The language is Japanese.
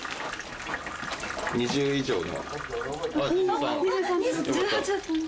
２０以上だ。